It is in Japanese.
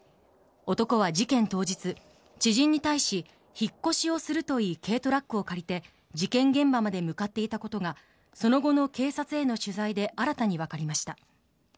男は事件当日、知人に対し引っ越しをするといい軽トラックを借りて事件現場まで向かっていたことがその後の警察への取材で新たに分かりました。